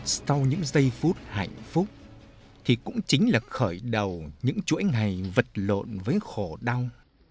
sau những giây phút hạnh phúc thì cũng chính là khởi đầu những chuỗi ngày vật lộn với khổ đau